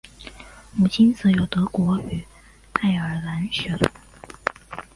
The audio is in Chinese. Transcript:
母亲则有德国与爱尔兰血统